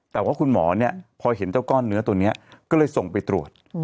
แต่ว่าคุณหมอเนี่ยพอเห็นเจ้าก้อนเนื้อตัวนี้ก็เลยส่งไปตรวจ